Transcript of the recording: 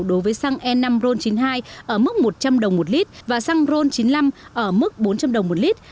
đối với xăng e năm ron chín mươi hai ở mức một trăm linh đồng một lít và xăng ron chín mươi năm ở mức bốn trăm linh đồng một lít